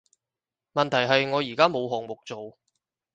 問題係我而家冇項目做